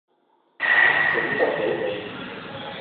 整得好好